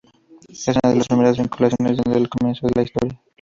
Es una de las primeras vinculaciones desde el comienzo de la historia.